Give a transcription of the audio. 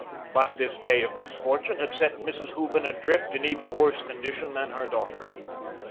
But this day of misfortune had set Mrs. Hooven adrift in even worse condition than her daughter.